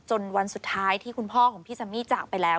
วันสุดท้ายที่คุณพ่อของพี่แซมมี่จากไปแล้ว